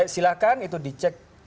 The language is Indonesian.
silahkan itu dicek